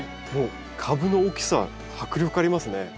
もう株の大きさ迫力ありますね。